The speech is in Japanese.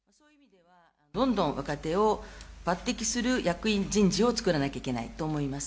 どんどん若手を抜てきする役員人事を作らなきゃいけないと思います。